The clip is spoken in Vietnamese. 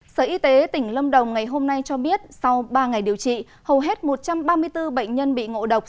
sở y tế tỉnh lâm đồng ngày hôm nay cho biết sau ba ngày điều trị hầu hết một trăm ba mươi bốn bệnh nhân bị ngộ độc